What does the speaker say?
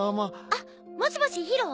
あっもしもし宙？